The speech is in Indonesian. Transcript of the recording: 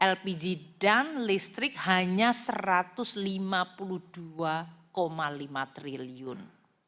lpg dan listrik hanya rp satu ratus lima puluh dua lima triliun